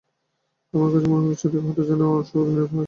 আমার কাছে মনে হল চারদিক হঠাৎ যেন অস্বাভাবিক নীর হয়ে গেছে।